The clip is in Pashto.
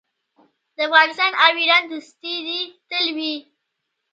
د افغانستان او ایران دوستي دې تل وي.